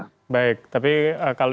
baik baik tapi kalau